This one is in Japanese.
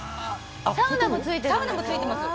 サウナもついてるの。